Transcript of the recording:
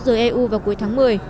rồi eu vào cuối tháng một mươi